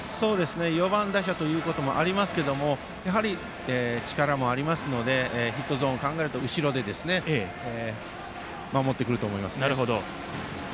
４番打者ということもありますがやはり、力もありますのでヒットゾーンを考えると後ろで守ってくると思いますね。